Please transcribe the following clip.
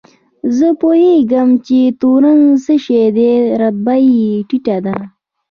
زه پوهېږم چې تورن څه شی دی، رتبه یې ټیټه ده.